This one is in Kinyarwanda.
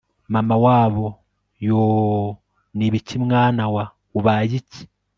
Mama wabo Yoooooooooooonibiki mwana wa ubayiki